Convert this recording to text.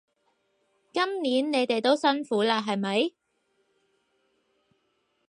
今年你哋都辛苦喇係咪？